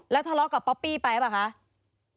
ทะเลาะกับป๊อปปี้ไปหรือเปล่าคะ